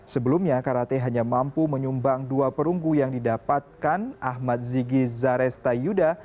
sebelumnya karate hanya mampu menyumbang dua perunggu yang didapatkan ahmad zigi zaresta yuda